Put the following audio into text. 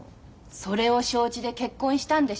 それを承知で結婚したんでしょ？